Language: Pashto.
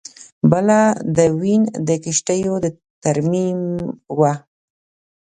بله د وین د کښتیو د ترمیم وه